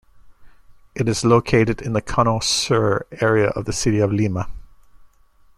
It is located in the Cono Sur area of the city of Lima.